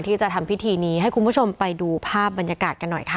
ที่จะทำพิธีนี้ให้คุณผู้ชมไปดูภาพบรรยากาศกันหน่อยค่ะ